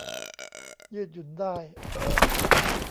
ยืดหยุ่นได้